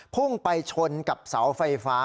พุ่งไปชนกับเสาไฟฟ้า